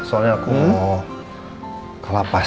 soalnya aku mau ke la paz